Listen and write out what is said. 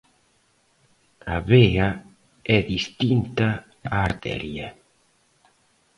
A vea é distinta á arteria.